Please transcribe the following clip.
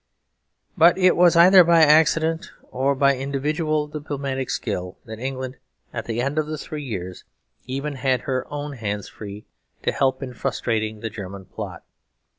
But it was either by accident or by individual diplomatic skill that England at the end of the three years even had her own hands free to help in frustrating the German plot.